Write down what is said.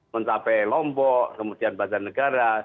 mencapai lombok kemudian bazar negara